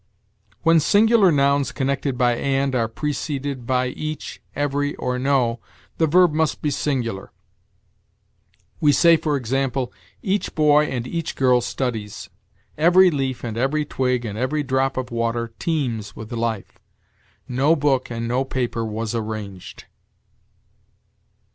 "When singular nouns connected by and are preceded by each, every, or no, the verb must be singular." We say, for example, "Each boy and each girl studies." "Every leaf, and every twig, and every drop of water teems with life." "No book and no paper was arranged."